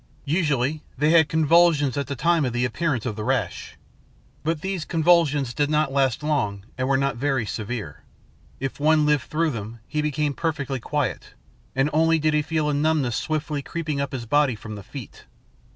Usually, they had convulsions at the time of the appearance of the rash. But these convulsions did not last long and were not very severe. If one lived through them, he became perfectly quiet, and only did he feel a numbness swiftly creeping up his body from the feet.